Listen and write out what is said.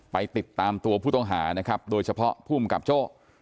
ไปติดตามตัวผู้ต้องหานะครับโดยเฉพาะภูมิกับโจ้